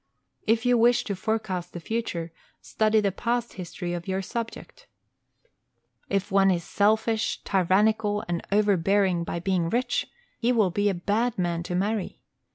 If you wish to forecast the future, study the past history of your subject. If one is selfish, tyrannical, and overbearing by being rich, he will be a bad man to marry.